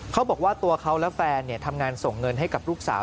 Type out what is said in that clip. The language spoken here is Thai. เขาบอกว่าตัวเขาและแฟนทำงานส่งเงินให้กับลูกสาว